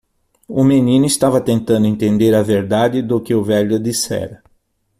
O menino estava tentando entender a verdade do que o velho dissera.